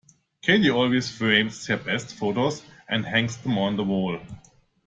Katie always frames her best photos, and hangs them on the wall.